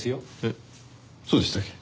えっそうでしたっけ？